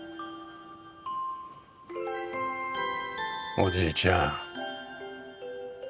おじいちゃん。